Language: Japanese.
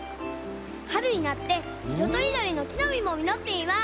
はるになっていろとりどりのきのみもみのっています！